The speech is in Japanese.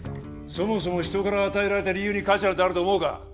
そもそも人から与えられた理由に価値なんてあると思うか？